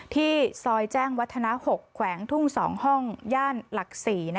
ที่ซอยแจ้งวัฒนา๖แขวงทุ่ง๒ห้องย่านหลัก๔